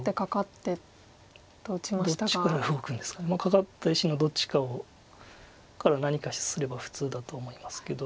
カカった石のどっちかから何かすれば普通だと思いますけど。